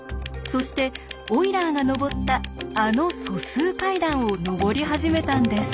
そしてオイラーが上ったあの素数階段を上り始めたんです。